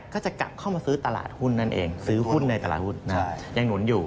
ก็จะกลับเข้ามาซื้อตลาดหุ้นนั่นเองซื้อหุ้นในตลาดหุ้นยังหนุนอยู่